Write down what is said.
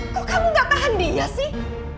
kok kamu gak tahan dia sih